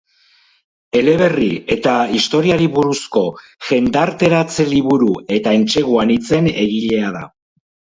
Eleberri eta historiari buruzko jendarteratze-liburu eta entsegu anitzen egilea da.